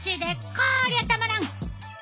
こりゃたまらん！